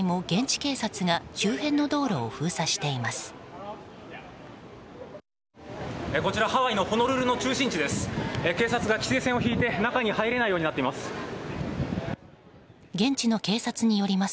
警察が規制線をしいて中に入れないようになっています。